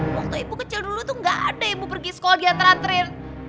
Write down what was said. waktu ibu kecil dulu tuh gak ada ibu pergi sekolah diantaran terin